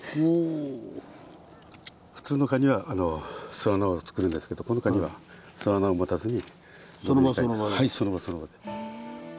普通のカニは巣穴をつくるんですけどこのカニは巣穴を持たずに。